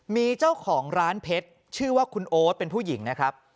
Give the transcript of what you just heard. มีเจ้าของร้านเพชรชื่อว่าคุณโอ๊ตเป็นผู้หญิงนะครับ